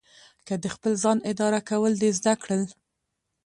که د خپل ځان اداره کول دې زده کړل.